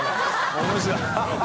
面白い